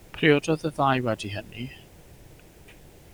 Priododd y ddau wedi hynny.